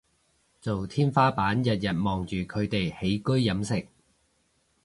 做天花板日日望住佢哋起居飲食